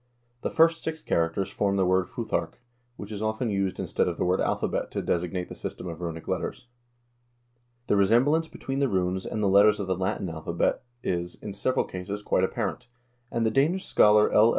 The first six characters form the word futharc, which is often used instead of the word alphabet to designate the system of runic letters. The resemblance between the runes and the letters of the Latin alpha bet is, in several cases, quite apparent, and the Danish scholar L.